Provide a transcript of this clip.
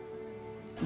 pada usia delapan tahun